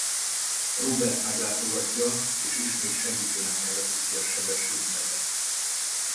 Robert meglátogatja és ismét Segítőnek nevezi ki a sebesült Nedet.